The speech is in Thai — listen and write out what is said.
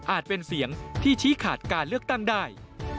เป็นเสียงที่ชี้ขาดการเลือกตั้งได้